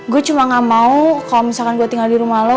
gue cuma gak mau kalau misalkan gue tinggal di rumah lo